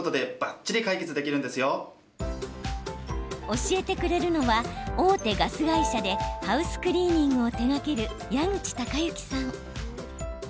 教えてくれるのは大手ガス会社でハウスクリーニングを手がける矢口隆之さん。